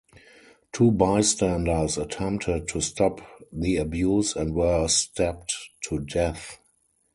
Two bystanders attempted to stop the abuse and were stabbed to death.